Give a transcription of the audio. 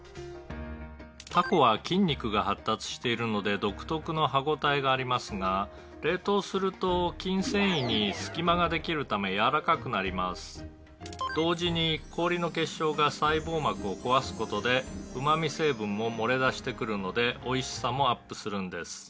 「タコは筋肉が発達しているので独特の歯応えがありますが冷凍すると筋繊維に隙間ができるため柔らかくなります」「同時に氷の結晶が細胞膜を壊す事でうま味成分も漏れ出してくるのでおいしさもアップするんです」